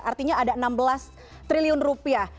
artinya ada enam belas triliun rupiah